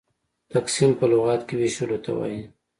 تقسيم په لغت کښي وېشلو ته وايي.